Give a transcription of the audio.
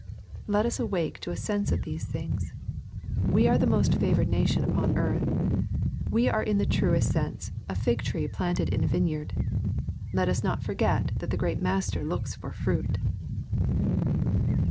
Let us awake to a sense of these things. We are the most favored nation upon earth. We are in the truest sense '* a fig tree planted in a vineyard/' Let us not forget that the great Master looks for " fruit."